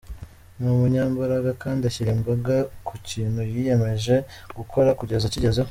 Ni umunyembaraga kandi ashyira imbaga ku kintu yiyemeje gukora kugeza akigezeho.